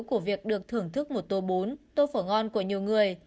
của việc được thưởng thức một tô bún tô phổ ngon của nhiều người